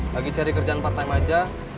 lagi cari kerjaan part time aja